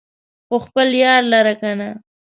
خو خپل يار لره کنه